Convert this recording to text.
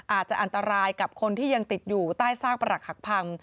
อาจจะอันตรายกับคนที่ยังติดอยู่ใต้ซากประหลักหักพัง